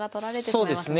そうですね。